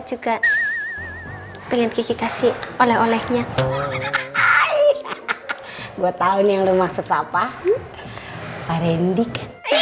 juga pengen kiki kasih oleh olehnya hai gua tahun yang lu maksud apa pak rendik